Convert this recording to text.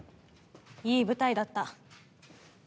いい舞台だった。